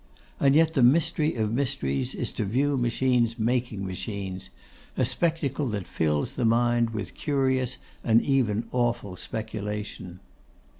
And yet the mystery of mysteries is to view machines making machines; a spectacle that fills the mind with curious, and even awful, speculation.